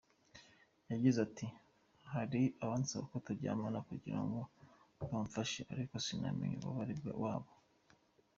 Yagize ati "Hari abansaba ko turyamana kugira ngo bamfashe ariko sinamenya umubare wabo.